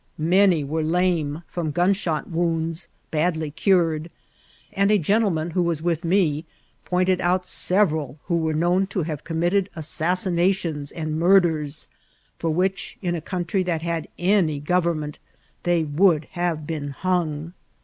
Many were lame from gunshot wounds badly cured; .and a gentleman who was with me pointed out several who were known to have ccmmiitted assassinntions and murders, for which, in a country that had any govern ment, they would have been hung.